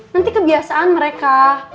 nanti kebiasaan mereka